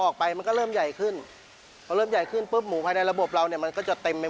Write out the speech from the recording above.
ครั้งนี้ออกไม่ได้มันก็ติด